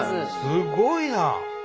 すごいな。